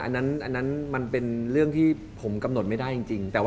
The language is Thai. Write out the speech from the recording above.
อันนั้นอันนั้นมันเป็นเรื่องที่ผมกำหนดไม่ได้จริงจะนะ